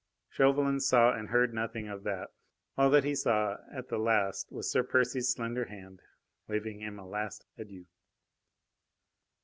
Chauvelin saw and heard nothing of that. All that he saw at the last was Sir Percy's slender hand, waving him a last adieu.